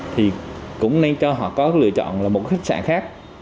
thì cũng nên cho họ có lựa chọn là một khách sạn khác